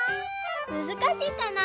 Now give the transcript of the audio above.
むずかしいかな？